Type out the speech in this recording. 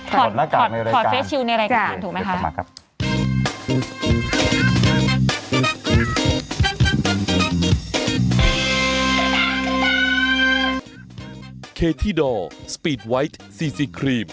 ถอดหน้ากากในรายการถอดเฟสชิวในรายการถูกไหมฮะ